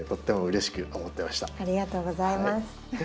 ありがとうございます。